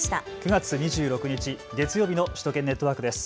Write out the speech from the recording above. ９月２６日、月曜日の首都圏ネットワークです。